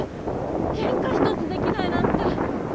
けんか一つできないなんて。